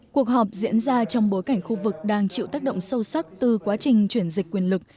cuộc họp diễn ra trong bối cảnh khu vực đang chịu tác động sâu sắc từ quá trình chuyển dịch quyền lực